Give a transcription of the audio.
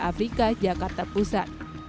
afrika jakarta pusat